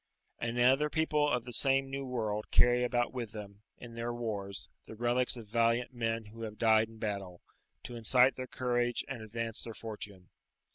And other people of the same New World carry about with them, in their wars, the relics of valiant men who have died in battle, to incite their courage and advance their fortune.